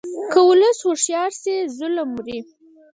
که ولس هوښیار شي، ظلم مري.